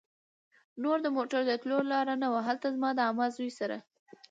نور د موټر د تلو لار نه وه. هلته زما د عمه زوی سره